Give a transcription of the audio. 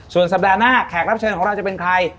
ส่วนสัปดาห์หน้าแขกรับเชิญของเราจะเป็นใคร